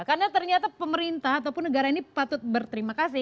karena ternyata pemerintah ataupun negara ini patut berterima kasih